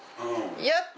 やった！